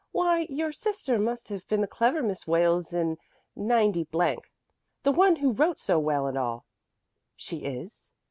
"Why, your sister must have been the clever Miss Wales in '9 , the one who wrote so well and all. She is?